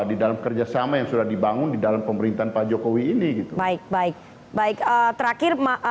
di dalam kerjasama yang sudah dibangun di dalam pemerintahan pak jokowi ini gitu baik baik baik terakhir